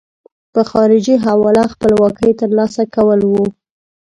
په خارجي حواله خپلواکۍ ترلاسه کول وو.